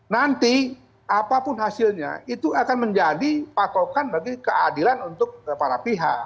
nanti apapun hasilnya itu akan menjadi patokan bagi keadilan untuk para pihak